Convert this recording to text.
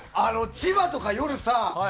千葉とか夜さ